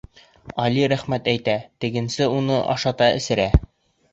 Али рәхмәт әйтә, тегенсе уны ашата-эсерә.